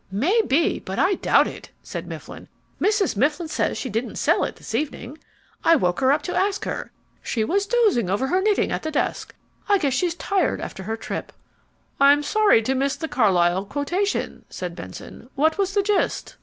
"Maybe, but I doubt it," said Mifflin. "Mrs. Mifflin says she didn't sell it this evening. I woke her up to ask her. She was dozing over her knitting at the desk. I guess she's tired after her trip." "I'm sorry to miss the Carlyle quotation," said Benson. "What was the gist?"